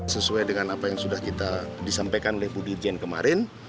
sesuai dengan apa yang sudah kita disampaikan oleh bu dirjen kemarin